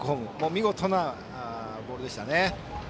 見事なボールでしたね。